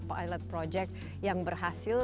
pilot project yang berhasil